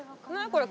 これ。